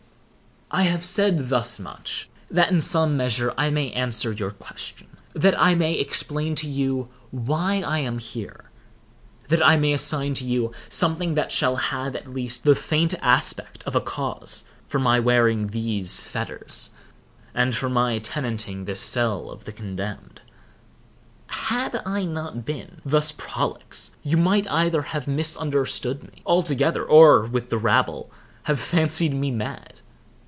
I have said thus much, that in some measure I may answer your question—that I may explain to you why I am here—that I may assign to you something that shall have at least the faint aspect of a cause for my wearing these fetters, and for my tenanting this cell of the condemned. Had I not been thus prolix, you might either have misunderstood me altogether, or, with the rabble, have fancied me mad.